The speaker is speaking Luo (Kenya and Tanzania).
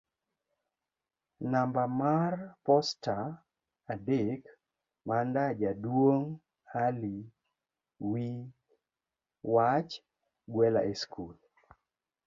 namba mar posta adek Manda jaduong' Ali wi wach; gwela e skul